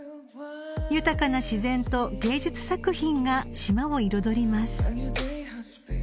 ［豊かな自然と芸術作品が島を彩ります］